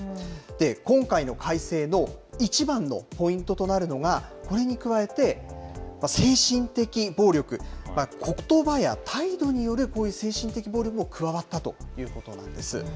今回の改正の一番のポイントとなるのが、これに加えて、精神的暴力、ことばや態度によるこういう精神的暴力も加わったということなんです。